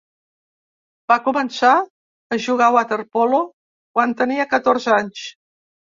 Va començar a jugar waterpolo quan tenia catorze anys.